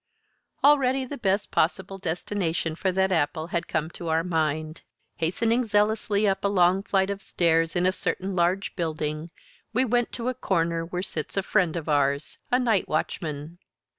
Already the best possible destination for that apple had come to our mind. Hastening zealously up a long flight of stairs in a certain large building we went to a corner where sits a friend of ours, a night watchman.